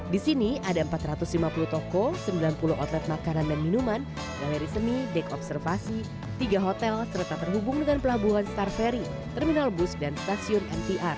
di sini ada empat ratus lima puluh toko sembilan puluh outlet makanan dan minuman galeri seni deck observasi tiga hotel serta terhubung dengan pelabuhan star ferry terminal bus dan stasiun mpr